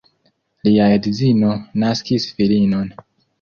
Lia edzino naskis filinon.